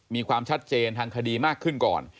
มีความชัดเจนทางคดีมากขึ้นก่อน